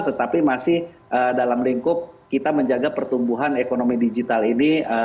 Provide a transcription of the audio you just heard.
tetapi masih dalam lingkup kita menjaga pertumbuhan ekonomi digital ini